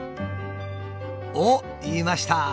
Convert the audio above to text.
おっいました！